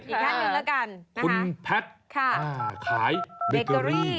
อีกท่านหนึ่งแล้วกันคุณแพทย์ขายเบเกอรี่